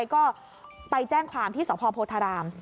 ก็ไปแจ้งความที่สพโพธาราม